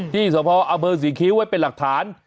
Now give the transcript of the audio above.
ที่สมภาวะอเบิร์นศรีเคี้ยวไว้เป็นหลักฐาน